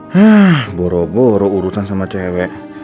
hah boro boro urusan sama cewek